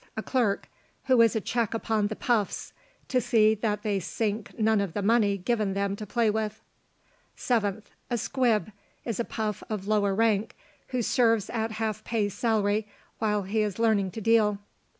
A CLERK, who is a check upon the PUFFS, to see that they sink none of the money given them to play with. 7th. A SQUIB is a puff of lower rank, who serves at half pay salary while he is learning to deal.